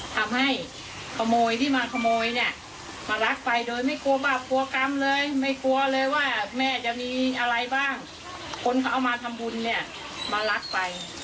ท่านธรรมบุญมาลักษณ์ไป